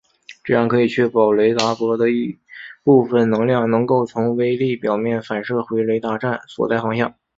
这样可以确保雷达波的一部分能量能够从微粒表面反射回雷达站所在方向。